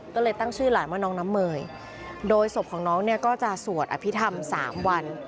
ก็เลยตั้งชื่อหลานว่าน้องน้ำเมยโดยศพของน้องเนี่ยก็จะสวดอภิษฐรรม๓วัน